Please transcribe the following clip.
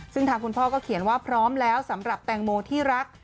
ซึ่งทางคุณพ่อก็เขียนว่าพร้อมแล้วสำหรับแตงโมที่รัก